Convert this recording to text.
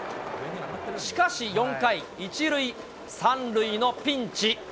しかし４回、１塁３塁のピンチ。